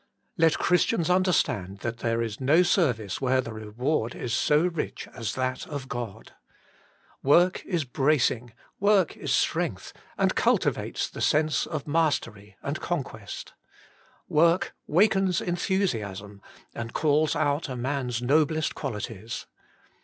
Let Chris tians understand that there is no service where the reward is so rich as that of God. Work is bracing, work is strength, and cul tivates the sense of mastery and conquest. Work wakens enthusiasm and calls out a man's noblest qualities.